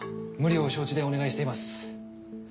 無理を承知でお願いしています。